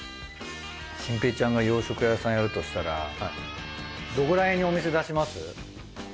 心平ちゃんが洋食屋さんやるとしたらどこらへんにお店出します？